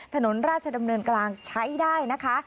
ถนนราชดำเนินกลางใช้ได้นะคะ